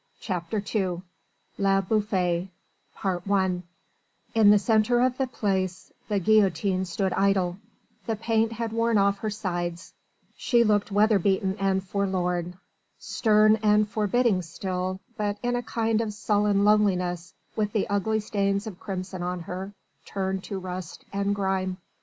CHAPTER II LE BOUFFAY I In the centre of the Place the guillotine stood idle the paint had worn off her sides she looked weatherbeaten and forlorn stern and forbidding still, but in a kind of sullen loneliness, with the ugly stains of crimson on her, turned to rust and grime.